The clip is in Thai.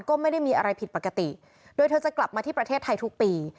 ก็ไม่ได้มีอะไรผิดปกติโดยเธอจะกลับมาที่ประเทศไทยทุกปี